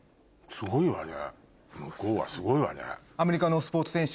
すごいわね。